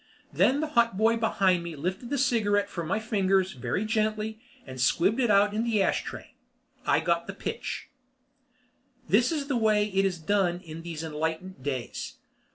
Then the hotboy behind me lifted the cigarette from my fingers very gently and squibbed it out in the ashtray, and I got the pitch. This is the way it is done in these enlightened days.